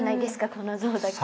この像だけ。